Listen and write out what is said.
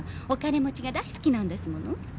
「お金持ちが大好きなんですもの」